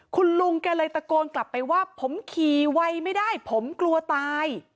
คุณลุงแกเลยตะโกนกลับไปว่าผมขี่ไวไม่ได้ผมกลัวตาย